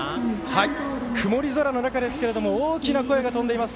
曇り空の中で大きな声が飛んでいます。